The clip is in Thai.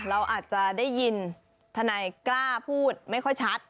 เราอาจจะได้ยินทนายกล้าพูดไม่ค่อยชัด